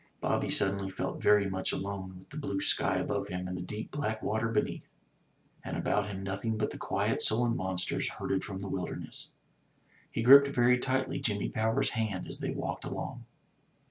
Bobby suddenly felt very much alone, with the blue sky above him, and the deep black water beneath, and about him nothing but the quiet sullen monsters herded from the wilderness. He gripped very tightly Jimmy Power's hand as they walked along.